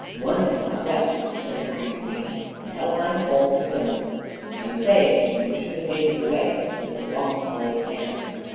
"One has not wept," said the grim Queen, "and Helheim holds its own." So saying she motioned the maidens away with her long, cold hand.